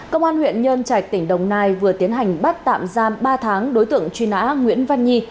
công an huyện nhân trạch tỉnh đồng nai vừa tiến hành bắt tạm giam ba tháng đối tượng truy nã nguyễn văn nhi